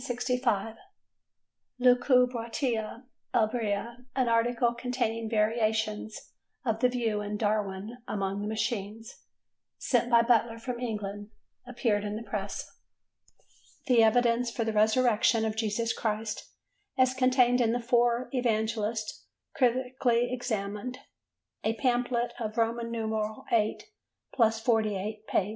"Lucubratio Ebria," an article, containing variations of the view in "Darwin among the Machines," sent by Butler from England, appeared in the Press. The Evidence for the Resurrection of Jesus Christ as contained in the Four Evangelists critically examined: a pamphlet of VIII+48 pp.